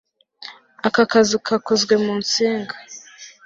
Aka kazu kakozwe mu nsinga